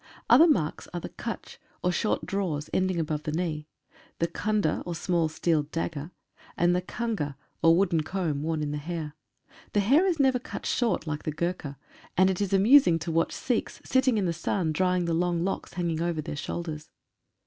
Other marks are the kach, or short drawers ending above the knee ; the khanda, or small steel dagger, and the khanga, or wooden comb, worn in the hair. The hair is never cut short like the Gurkha, and it is amusing to watch Sikhs sitting in the sun drying the long locks hanging over their shoulders.